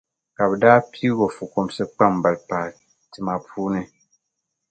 Ka bi daa pii o fukumsi kpambali paa tima puuni.